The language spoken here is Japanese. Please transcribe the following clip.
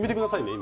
今。